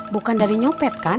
bukan dari nyopet kan